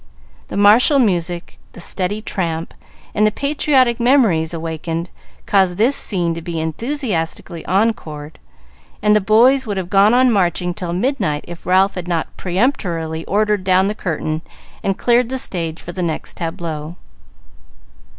The martial music, the steady tramp, and the patriotic memories awakened, caused this scene to be enthusiastically encored, and the boys would have gone on marching till midnight if Ralph had not peremptorily ordered down the curtain and cleared the stage for the next tableau.